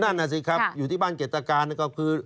นั่นน่ะสิครับอยู่ที่บ้านเกรตการก็คือ